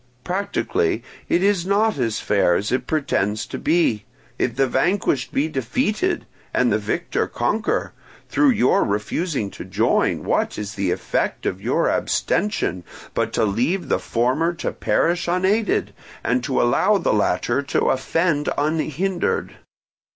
Practically it is not as fair as it pretends to be. If the vanquished be defeated, and the victor conquer, through your refusing to join, what is the effect of your abstention but to leave the former to perish unaided, and to allow the latter to offend unhindered?